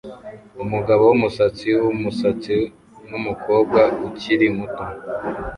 Umugabo wumusatsi wumusatsi numukobwa ukiri muto